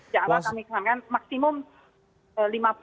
jangan lupa kami perhatikan maksimum lima puluh cm